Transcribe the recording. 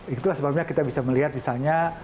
itulah sebabnya kita bisa melihat misalnya